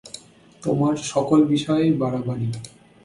তোমার সকল বিষয়েই বাড়াবাড়ি।